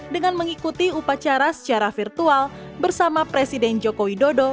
dengan mengikuti upacara secara virtual bersama presiden joko widodo